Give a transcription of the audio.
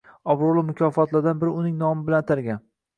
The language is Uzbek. obro‘li mukofotlardan biri uning nomi bilan atalgan